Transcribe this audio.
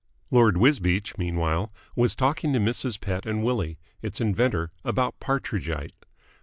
Lord Wisbeach, meanwhile, was talking to Mrs. Pett and Willie, its inventor, about Partridgite.